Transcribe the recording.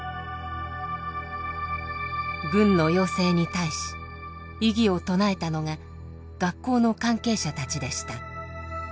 軍の要請に対し異議を唱えたのが学校の関係者たちでした。